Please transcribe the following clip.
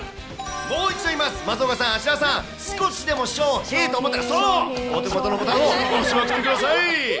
もう一度言います、松岡さん、芦田さん、少しでも翔へぇと思ったら、そう、お手元のボタンを押しまくってください。